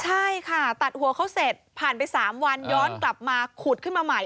ใช่ค่ะตัดหัวเขาเสร็จผ่านไป๓วันย้อนกลับมาขุดขึ้นมาใหม่